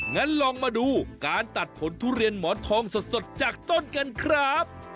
งั้นลองมาดูการตัดผลทุเรียนหมอนทองสดจากต้นกันครับ